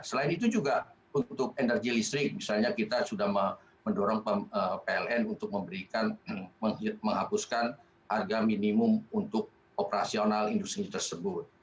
selain itu juga untuk energi listrik misalnya kita sudah mendorong pln untuk memberikan menghapuskan harga minimum untuk operasional industri tersebut